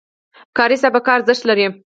کاري سابقه ارزښت لري